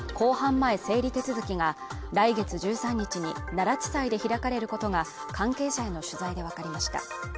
前整理手続きが来月１３日に奈良地裁で開かれることが関係者への取材で分かりました